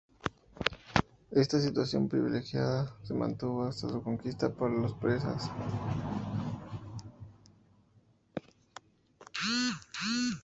Esta situación privilegiada se mantuvo hasta su conquista por los persas.